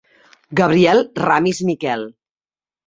Gabriel Ramis Miquel.